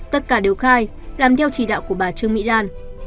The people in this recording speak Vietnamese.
tất cả đều khai làm theo chỉ đạo của bà trương mỹ lan